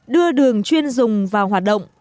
đưa đường chuyên dùng vào hoạt động